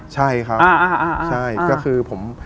ใช่ครับ